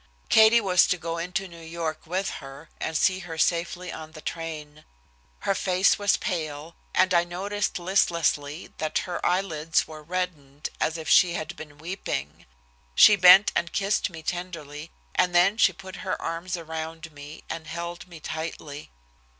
Katie was to go into New York with her, and see her safely on the train. Her face was pale, and I noticed listlessly that her eyelids were reddened as if she had been weeping. She bent and kissed me tenderly, and then she put her arms around me, and held me tightly.